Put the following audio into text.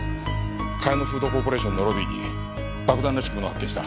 カヤノフードコーポレーションのロビーに爆弾らしきものを発見した。